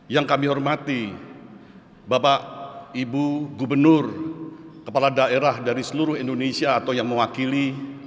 yang kami hormati bapak ibu gubernur kepala daerah dari seluruh indonesia atau yang mewakili